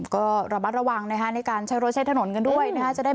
ก็ระมัดระวังในการใช้รถใช้ถนนกันด้วย